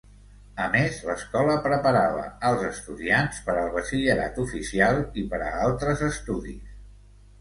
A més, l'escola preparava als estudiants per al batxillerat oficial i per a altres estudis.